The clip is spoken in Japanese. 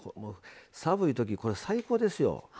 寒いときこれ最高ですよ。